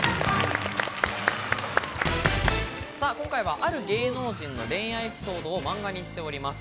今回は、ある芸能人の恋愛エピソードを漫画にしております。